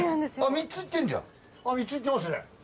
３ついってますね。